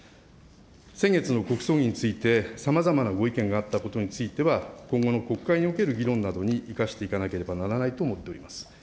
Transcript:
先月の国葬儀について、さまざまなご意見があったことについては、今後の国会における議論などに生かしていかなければならないと思っております。